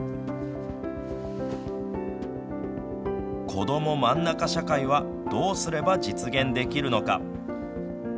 こどもまんなか社会はどうすれば実現できるのか。